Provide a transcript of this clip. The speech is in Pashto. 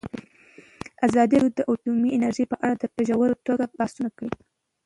ازادي راډیو د اټومي انرژي په اړه په ژوره توګه بحثونه کړي.